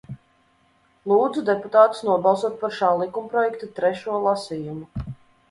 Lūdzu deputātus nobalsot par šā likumprojekta trešo lasījumu.